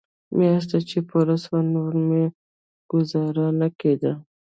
مياشت چې پوره سوه نور مې گوزاره نه کېده.